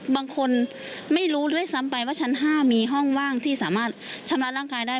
บางคนไม่รู้ด้วยซ้ำไปว่าชั้น๕มีห้องว่างที่สามารถชำระร่างกายได้